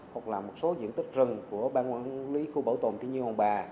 và diện tích rừng của bang quản lý khu bảo tồn trị nhiên hồn bà